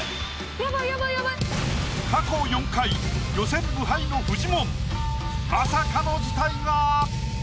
過去４回予選無敗のフジモンまさかの事態が！